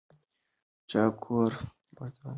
چا کور ورته ودان کړ؟